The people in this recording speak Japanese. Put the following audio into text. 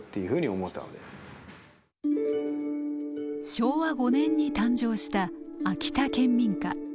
昭和５年に誕生した秋田県民歌。